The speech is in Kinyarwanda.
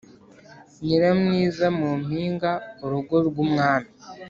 Nyiramwiza mu mpinga-Urugo rw'umwami.